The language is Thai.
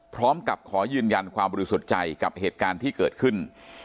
พร้อมกับขอยืนยันความบริสุทธิ์ใจกับเหตุการณ์ที่เกิดขึ้น